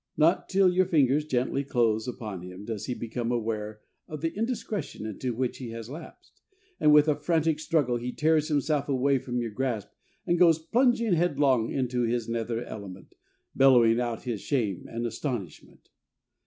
Not till your fingers gently close upon him does he become aware of the indiscretion into which he has lapsed, and with a frantic struggle he tears himself away from your grasp and goes plunging headlong into his nether element, bellowing out his shame and astonishment.